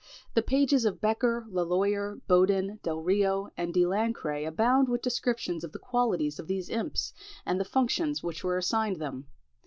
The pages of Bekker, Leloyer, Bodin, Delrio, and De Lancre, abound with descriptions of the qualities of these imps, and the functions which were assigned them.